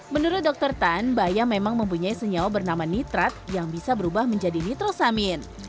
menurut dokter tan bayam memang mempunyai senyawa bernama nitrat yang bisa berubah menjadi nitrosamin